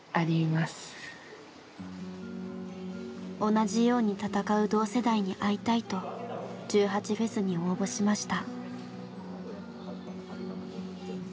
同じように闘う同世代に会いたいと１８祭に応募しました。